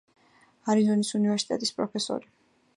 არიზონის უნივერსიტეტის პროფესორი.